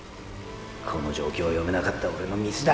この状況読めなかったオレのミスだ。